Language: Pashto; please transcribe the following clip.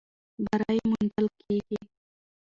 بری موندل کېږي.